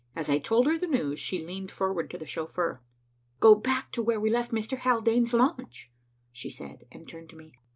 As I told her the news, she leaned forward to the chauffeur. "Go back to where we left Mr. Haldane's launch," she said, and turned to me.